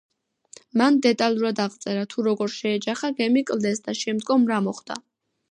მან დეტალურად აღწერა, თუ როგორ შეეჯახა გემი კლდეს და შემდგომ რა მოხდა.